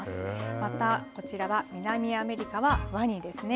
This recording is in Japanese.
また、こちら南アメリカは、わにですね。